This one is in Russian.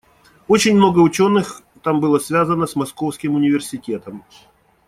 Очень много ученых там было связано с Московским университетом.